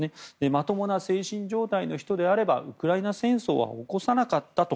まともな精神状態の人であればウクライナ戦争は起こさなかったと。